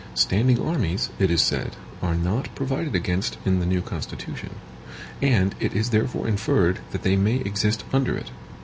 Standing armies, it is said, are not provided against in the new Constitution; and it is therefore inferred that they may exist under it.